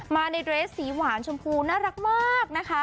มาในเดรสสีหวานชมพูน่ารักมากนะคะ